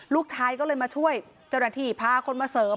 ลูกชายก็เลยมาช่วยเจ้าหน้าที่พาคนมาเสริม